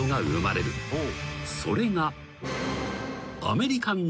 ［それが］